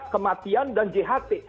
kematian dan jht